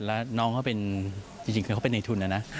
แล้วน้องเขาเป็นจริงคือเขาเป็นในทุนนะนะ